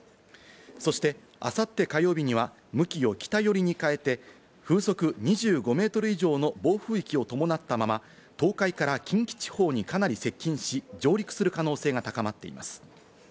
そして、あさって火曜日には向きを北寄りに変えて、風速２５メートル以上の暴風域を伴ったまま、東海から近畿地方にかなり接近し、上陸する可能性が高まっています。